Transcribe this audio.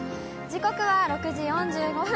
時刻は６時４５分。